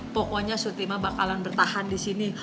pokoknya surti mah bakalan bertahan disini